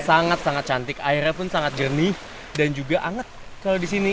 sangat sangat cantik airnya pun sangat jernih dan juga anget kalau di sini